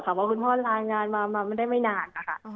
เพราะว่าคุณพ่อล้างงานมามาไม่ได้ไม่นานนะคะ